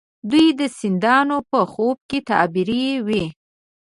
دوی د سیدانو په خوب کې تعبیروي.